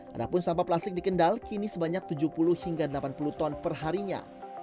adapun sampah plastik di kendal kini sebanyak tujuh puluh hingga delapan puluh ton perharinya